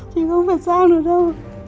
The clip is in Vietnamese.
chị không phải sang nữa đâu